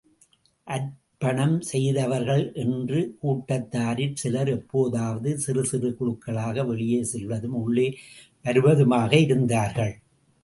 அர்ப்பணம் செய்தவர்கள் என்ற கூட்டத்தாரில் சிலர் எப்போதாவது சிறுசிறு குழுக்களாக வெளியே செல்வதும், உள்ளே வருவதுமாக இருந்தார்கள்.